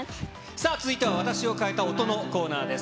さあ、続いては、私を変えた音のコーナーです。